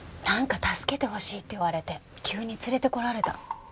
なんか助けてほしいって言われて急に連れてこられた。